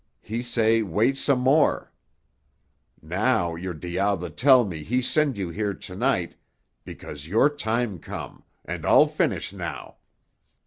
He say wait some more. Now your diable tell me he send you here to night because your time come, and all finish now."